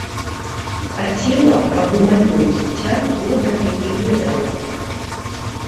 Хацела, каб і маё дзіця добра яе ведала.